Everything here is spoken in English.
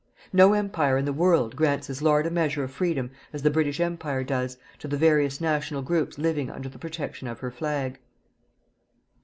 No Empire in the world grants as large a measure of freedom as the British Empire does, to the various national groups living under the protection of her flag.